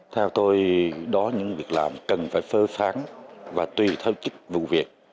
theo tôi đó những việc làm cần phải phơ phán và tùy theo chức vụ việc